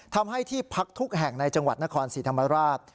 ทำให้ที่พักทุกแห่งในจังหวัดนครศรีธรรมราช